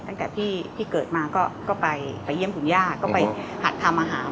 ตั้งแต่ที่เกิดมาก็ไปเยี่ยมคุณย่าก็ไปหัดทำอาหาร